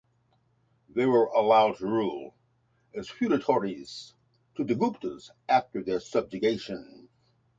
They were allowed to rule as feudatories to the Guptas after their subjugation.